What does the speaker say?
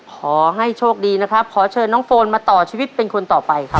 ขอให้โชคดีนะครับขอเชิญน้องโฟนมาต่อชีวิตเป็นคนต่อไปครับ